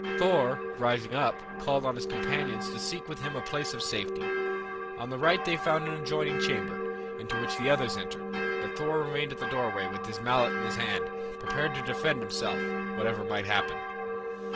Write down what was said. Thor, rising up, called on his companions to seek with him a place of safety. On the right they found an adjoining chamber, into which the others entered, but Thor remained at the doorway with his mallet in his hand, prepared to defend himself, whatever might happen.